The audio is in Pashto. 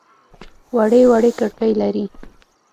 وړې وړې کړکۍ لري.